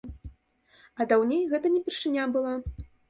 А даўней гэта не першыня была.